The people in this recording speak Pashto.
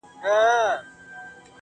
هغې ويل ه ځه درځه چي کلي ته ځو.